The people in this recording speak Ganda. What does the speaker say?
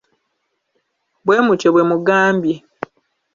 Bwe mutyo bwe mugambye.